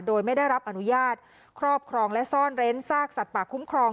โดยไม่ได้รับอนุญาตครอบครองและซ่อนเร้นซากสัตว์ป่าคุ้มครอง